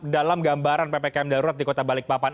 dalam gambaran ppkm darurat di kota balikpapan